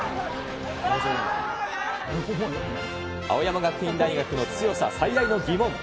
青山学院大学の強さ、最大の疑問。